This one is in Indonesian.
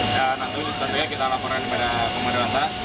tentunya kita laporkan kepada pengadilan tas